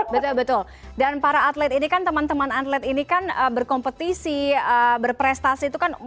betul betul dan para atlet ini kan teman teman atlet ini kan berkompetisi berprestasi itu kan